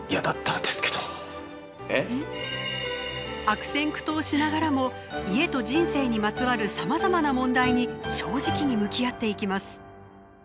悪戦苦闘しながらも家と人生にまつわるさまざまな問題に正直に向き合っていきます。